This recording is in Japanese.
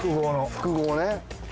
複合ね。